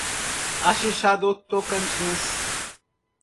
Axixá do Tocantins